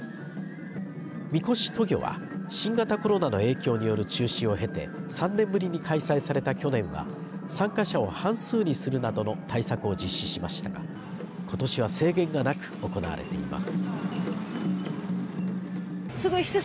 神輿渡御は、新型コロナの影響による中止を経て３年ぶりに開催された去年は参加者を半数にするなどの対策を実施しましたがことしは制限がなく行われています。